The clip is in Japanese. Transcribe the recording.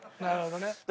なるほどね。